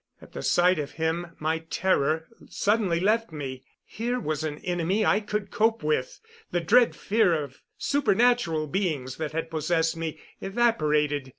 At the sight of him my terror suddenly left me. Here was an enemy I could cope with. The dread fear of supernatural beings that had possessed me evaporated.